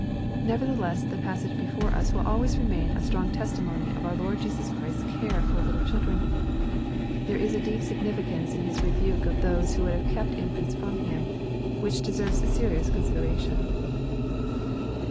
Nevertheless the passage before us will always remain a strong testimony of our Lord Jesus Christ's care for little children. There is a deep significance in His rebuke of those who would have kept infants fi'om Him, which deserves serious consideration.